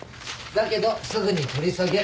だけどすぐに取り下げ。